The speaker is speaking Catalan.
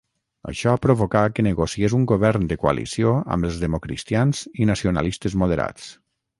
Això provocà que negociés un govern de coalició amb els democristians i nacionalistes moderats.